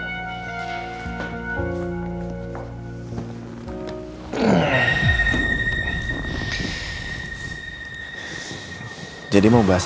aku tau perinkarea casey